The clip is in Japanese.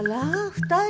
２人？